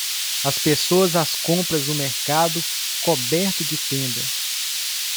As pessoas às compras no mercado coberto de tenda.